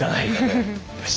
よし！